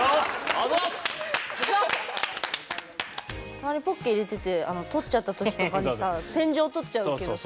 たまにポッケへ入れてて撮っちゃった時とかにさ天井を撮っちゃうけどさ。